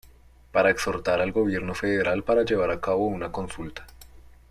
Para exhortar al gobierno federal para llevar a cabo una consulta.